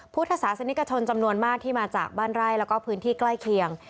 พุทธศาสนิกชนจำนวนมากที่มาจากบ้านไร่แล้วก็พื้นที่ใกล้เคียง